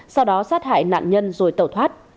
sau đó sát hại nạn nhân rồi tẩu thoát